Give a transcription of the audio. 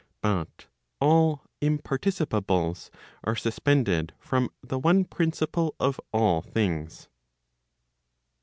But all imparticipables are suspended from the one principle of all things.